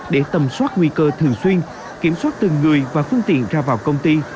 để tầm soát nguy cơ thường xuyên kiểm soát từng người và phương tiện ra vào công ty